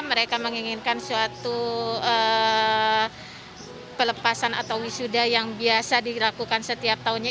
mereka menginginkan suatu pelepasan atau wisuda yang biasa dilakukan setiap tahunnya